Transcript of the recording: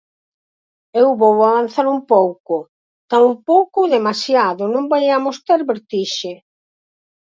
Eu vou avanzar un pouco, tampouco demasiado, non vaiamos ter vertixe.